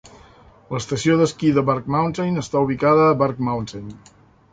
L'estació d'esquí de Burke Mountain està ubicada a Burke Mountain.